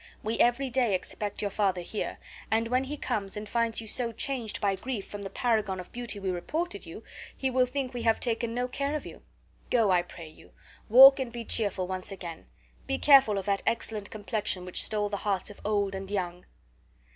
We every day expect your father here; and when he comes and finds you so changed by grief from the paragon of beauty we reported you, he will think we have taken no care of you. Go, I pray you, walk, and be cheerful once again. Be careful of that excellent complexion which stole the hearts of old and young."